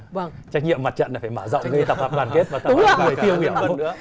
trách nhiệm mặt trận là phải mở rộng người tập hợp đoàn kết và tập hợp người tiêu hiểu